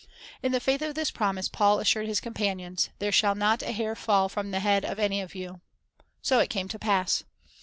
In the faith of this promise Paul assured his companions, "There shall not a hair fall from the head of any of you." So it came to pass.